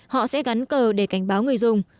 họ sẽ gắn cờ để cảnh báo người dùng